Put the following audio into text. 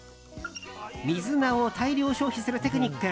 水菜を大量消費するテクニック。